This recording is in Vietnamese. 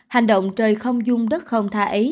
hành động trời không dung đất không tha ấy